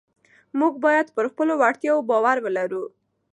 موږ باید پر خپلو وړتیاوو باور ولرو